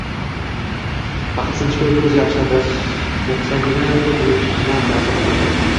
Faqat sinchkov ko‘z yaxshilab boqsagina bu bulutsimon narsani ilg‘ab